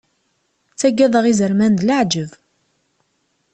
Ttagadeɣ izerman d leεǧab.